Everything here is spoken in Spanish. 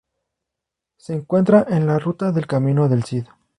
Se encuentra en la ruta del Camino del Cid.